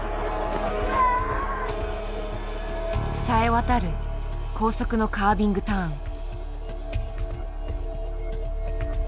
さえ渡る高速のカービングターン。